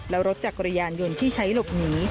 และรถจักรยานยนต์ที่ใช้หลบหนี